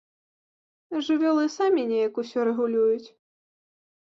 Жывёлы самі неяк усё рэгулююць.